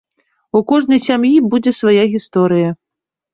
У кожнай сям'і будзе свая гісторыя.